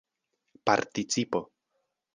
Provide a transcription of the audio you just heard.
participo